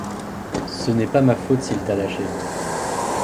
Ce n'est pas ma faute s'il t'a lâchée.